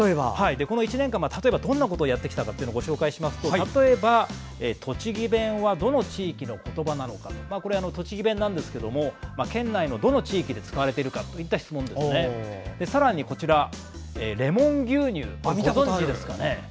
この１年間、例えばどんなものをやってきたかご紹介すると、例えば栃木弁はどの地域の言葉？というものですが栃木弁なんですけど県内のどの地域で使われているかといった質問やレモン牛乳、ご存じですかね。